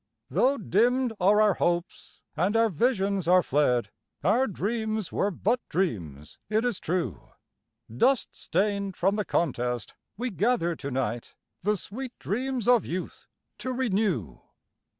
Though dimmed are our hopes, and our visions are fled, Our dreams were but dreams, it is true; Dust stained from the contest we gather to night, The sweet dreams of youth to renew.